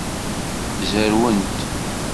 Zerwent.